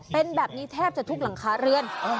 เป็นแบบนี้แทบจะทุกหลังคาเรือน